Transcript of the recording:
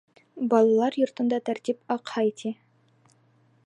Балалар йортонда тәртип аҡһай ти...